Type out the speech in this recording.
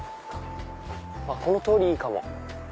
この通りいいかも。